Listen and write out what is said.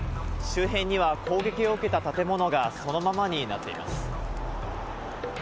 周辺には攻撃を受けた建物が、そのままになっています。